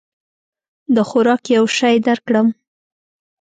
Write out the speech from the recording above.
د خوراک یو شی درکړم؟